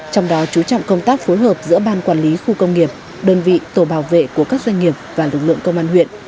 trong đó chú trọng công tác phối hợp giữa ban quản lý khu công nghiệp đơn vị tổ bảo vệ của các doanh nghiệp và lực lượng công an huyện